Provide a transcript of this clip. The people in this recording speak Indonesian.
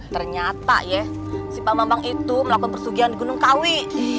ternyata ya si pak bambang itu melakukan persugian di gunung kawi